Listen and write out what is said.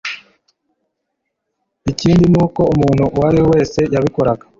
ikindi ni uko umuntu uwo ariwe wese, yabikoraga